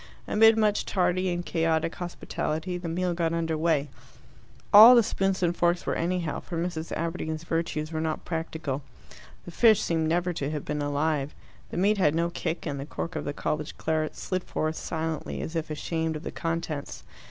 Amid much tardy and chaotic hospitality the meal got under way. All the spoons and forks were anyhow, for Mrs. Aberdeen's virtues were not practical. The fish seemed never to have been alive, the meat had no kick, and the cork of the college claret slid forth silently, as if ashamed of the contents.